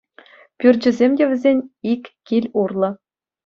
Пӳрчӗсем те вӗсен ик кил урлӑ.